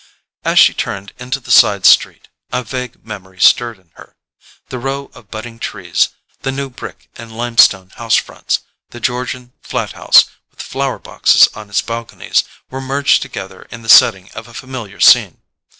As she turned into the side street, a vague memory stirred in her. The row of budding trees, the new brick and limestone house fronts, the Georgian flat house with flower boxes on its balconies, were merged together into the setting of a familiar scene.